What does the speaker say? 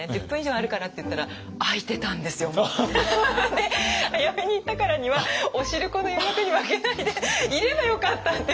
で早めに行ったからにはお汁粉の誘惑に負けないでいればよかったって。